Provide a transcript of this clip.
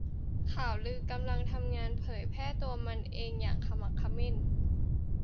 ข่าวลือกำลังทำงานเผยแพร่ตัวมันเองอย่างขมักเขม้น